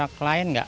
merek lain enggak